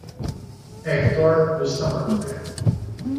Héctor Bustamante